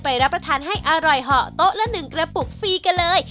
รับประทานให้อร่อยเหาะโต๊ะละ๑กระปุกฟรีกันเลย